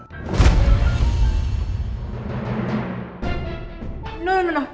tidak tidak tidak